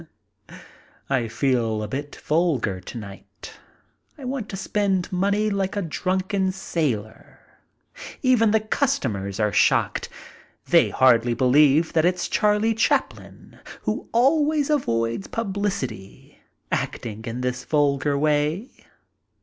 I feel a bit vulgar to night. I want to spend money like a drunken sailor. Even the customers are shocked. They hardly believe that it's Charlie Chaplin, who always avoids publicity, acting in this vulgar way.